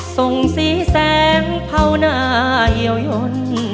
ส่งสีแสงเผาหน้าเยี่ยวยน